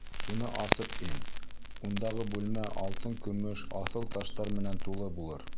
Шуны асып ин, ундағы бүлмә алтын-көмөш, аҫыл таштар менән тулы булыр.